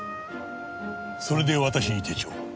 それで私に手帳を？